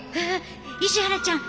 石原ちゃん